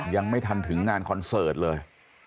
ยังไม่ทันถึงงานคอนเสิร์ตเลย